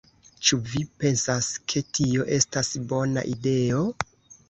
Ĉu vi pensas ke tio estas bona ideo?"